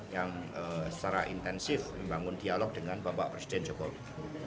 yang secara intensif membangun dialog dengan bapak presiden jokowi